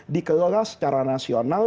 dikelola secara nasional